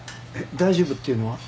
大丈夫っていうのは？